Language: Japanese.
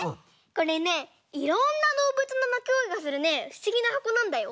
これねいろんなどうぶつのなきごえがするねふしぎなはこなんだよ。